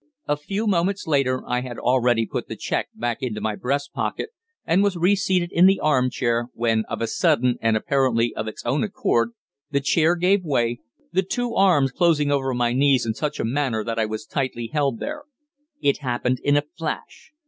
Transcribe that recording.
A few moments later, I had already put the cheque back into my breast pocket, and was re seated in the arm chair, when of a sudden, and apparently of its own accord, the chair gave way, the two arms closing over my knees in such a manner that I was tightly held there. It happened in a flash.